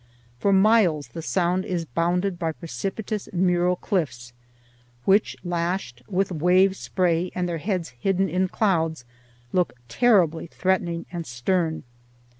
For miles the sound is bounded by precipitous mural cliffs, which, lashed with wave spray and their heads hidden in clouds, looked terribly threatening and stern.